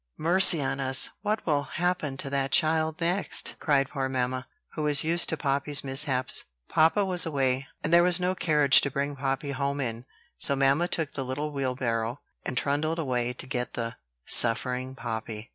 '" "Mercy on us! what will happen to that child next?" cried poor mamma, who was used to Poppy's mishaps. Papa was away, and there was no carriage to bring Poppy home in; so mamma took the little wheelbarrow, and trundled away to get the suffering Poppy.